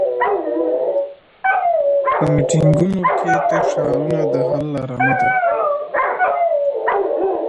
په میټینګونو کي تش شعارونه د حل لاره نه ده.